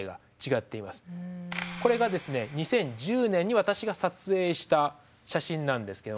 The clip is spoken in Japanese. これがですね２０１０年に私が撮影した写真なんですけど。